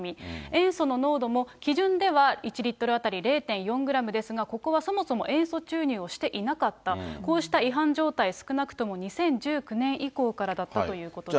塩素の濃度も基準では１リットル当たり０．４グラムですが、ここはそもそも塩素注入をしていなかった、こうした違反状態、少なくとも２０１９年以降からだったということです。